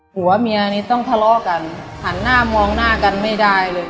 หัวเมียนี้ต้องทะเลาะกันหันหน้ามองหน้ากันไม่ได้เลย